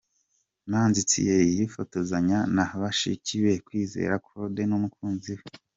Manzi Thierry yifotozanya na bashiki be, Kwizera Claude n'umukunzi we.